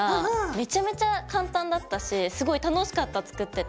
めちゃめちゃ簡単だったしすごい楽しかった作ってて。